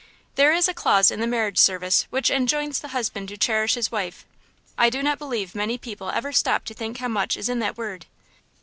There is a clause in the marriage service which enjoins the husband to cherish his wife. I do not believe many people ever stop to think how much is in that word.